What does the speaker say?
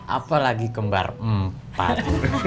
apalagi kembar empat